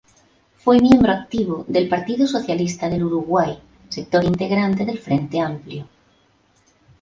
Fue miembro activo del Partido Socialista del Uruguay, sector integrante del Frente Amplio.